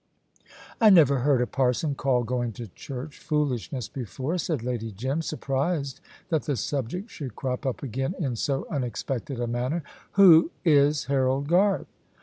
"I never heard a parson call going to church foolishness before," said Lady Jim, surprised that the subject should crop up again in so unexpected a manner. "Who is Harold Garth?"